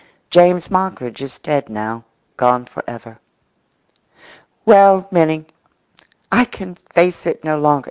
James Moggridge is dead now, gone for ever. Well, Minnie—"I can face it no longer."